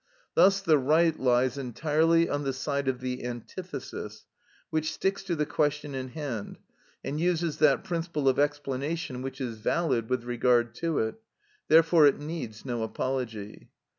Thus the right lies entirely on the side of the antithesis, which sticks to the question in hand, and uses that principle of explanation which is valid with regard to it; therefore it needs no apology.